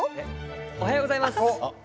おはようございます。